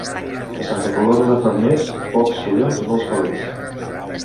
A Santa Coloma de Farners, pocs collons i molts calés.